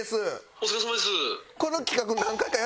「お疲れさまです」